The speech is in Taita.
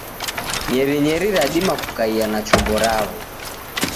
Nyerinyeri radima kukaia na chumbo rawo.